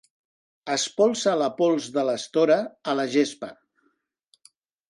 Espolsa la pols de l'estora a la gespa.